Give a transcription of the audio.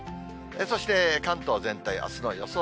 そして関東全体、あすの予想